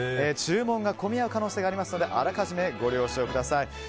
注文が混み合う可能性がありますので予めご了承ください。